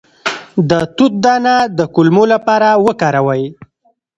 د توت دانه د کولمو لپاره وکاروئ